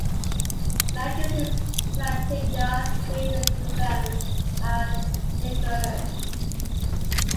Mackie sees Plantinga's free-will defense as incoherent.